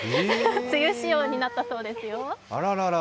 梅雨仕様になったそうですよ。